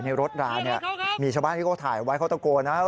ในรถราเนี่ยมีชาวบ้านที่เขาถ่ายไว้เขาตะโกนนะ